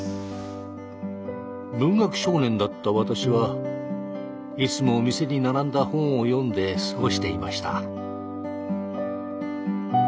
文学少年だった私はいつも店に並んだ本を読んで過ごしていました。